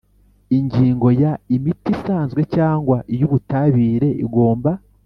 Ingingo ya Imiti isanzwe cyangwa iy ubutabire igomba